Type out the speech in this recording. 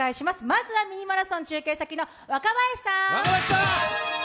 まずは「ミニマラソン」中継先の若林さん。